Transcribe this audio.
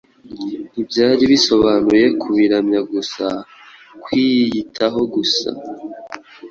ntibyari bisobanuye kubiramya gusa, kwiyitaho gusa,